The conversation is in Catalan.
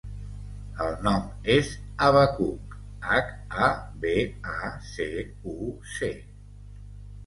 El nom és Habacuc: hac, a, be, a, ce, u, ce.